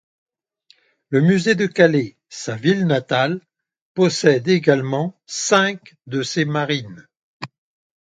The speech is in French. Le musée de Calais, sa ville natale, possède également cinq de ses marines.